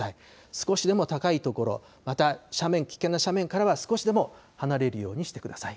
少しでも高いところ、また斜面、危険な斜面からは少しでも離れるようにしてください。